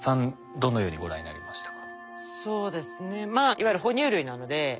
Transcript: どのようにご覧になりましたか？